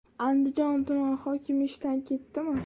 Andijon tumani hokimi ishdan ketdimi?